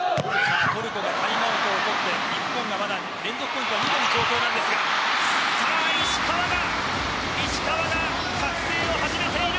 トルコがタイムアウトをとって日本は連続ポイントできていない状況ですが石川が覚醒を始めている。